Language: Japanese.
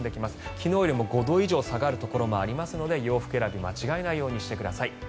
昨日より５度以上下がるところもありますので洋服選び間違えないようにしてください。